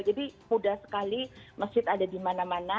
jadi mudah sekali masjid ada di mana mana